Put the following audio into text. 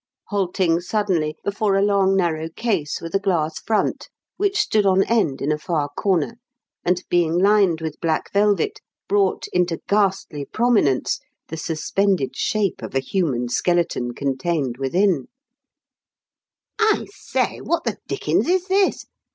halting suddenly before a long, narrow case, with a glass front, which stood on end in a far corner, and, being lined with black velvet, brought into ghastly prominence the suspended shape of a human skeleton contained within "I say! What the dickens is this?